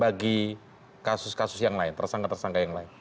bagi kasus kasus yang lain tersangka tersangka yang lain